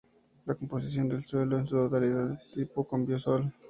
La composición del suelo es en su totalidad de tipo Cambisol.